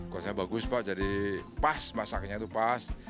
kosnya bagus pak jadi pas masaknya itu pas